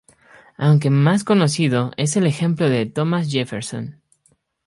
Aunque, más conocido es el ejemplo de Thomas Jefferson.